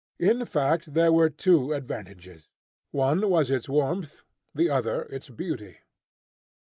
In fact, there were two advantages, one was its warmth, the other its beauty.